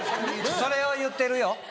それは言うてるよ。